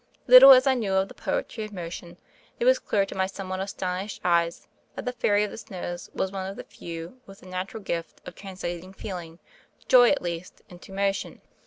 Little as I knew of the poetry of motion, it was clear to my somewhat astonished eyes that the Fairy of the Snows was one of the few with the natural gift of translating feelinc; — ]oy^ at least — into motion.